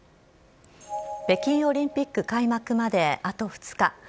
北京オリンピック開幕まであと２日。